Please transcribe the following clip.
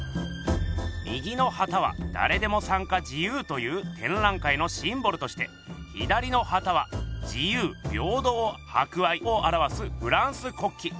右の旗はだれでも参加自由というてんらい会のシンボルとして左の旗は自由平等博愛をあらわすフランス国旗。